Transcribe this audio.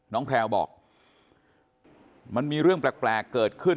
แพลวบอกมันมีเรื่องแปลกเกิดขึ้น